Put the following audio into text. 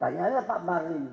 tanya aja pak marlin